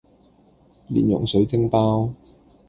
蓮蓉水晶包